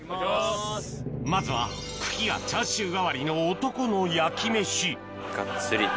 まずは茎がチャーシュー代わりの漢の焼き飯ガッツリと。